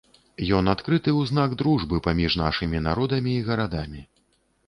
Ён адкрыты ў знак дружбы паміж нашымі народамі і гарадамі.